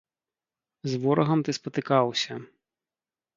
З ворагам ты спатыкаўся.